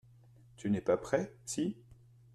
Tu n'es pas prêt ? Si.